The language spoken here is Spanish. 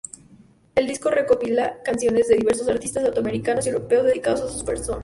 El disco recopila canciones de diversos artistas latinoamericanos y europeos dedicadas a su persona.